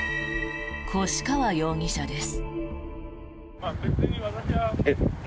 越川容疑者です。